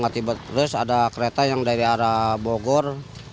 terus ada kereta yang dari arah bogor